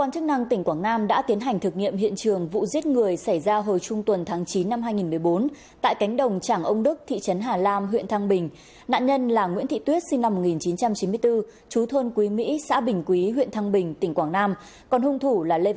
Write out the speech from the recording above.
các bạn hãy đăng ký kênh để ủng hộ kênh của chúng mình nhé